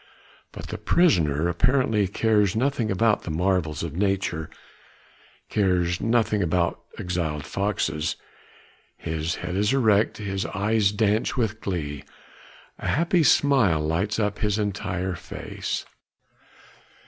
But the prisoner apparently cares nothing about the marvels of nature, cares nothing about exiled foxes. His head is erect, his eyes dance with glee, a happy smile lights up his entire face.